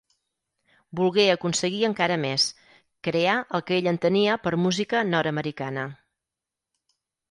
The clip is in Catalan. Volgué aconseguir encara més: crear el que ell entenia per música nord-americana.